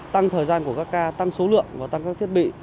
tăng thời gian của các ca tăng số lượng và tăng các thiết bị